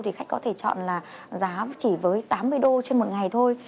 thì khách có thể chọn là giá chỉ với tám mươi đô trên một ngày thôi